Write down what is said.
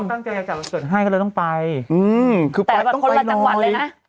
อืมเขาตั้งใจจะเกิดให้ก็เลยต้องไปอืมคือไปต้องไปน้อยแต่แบบคนละจังหวัดเลยนะ